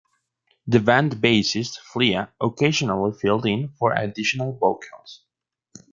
The band's bassist Flea occasionally filled in for additional vocals.